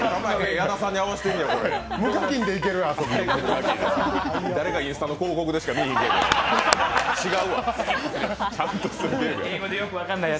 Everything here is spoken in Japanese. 矢田さんに合わせてんねや。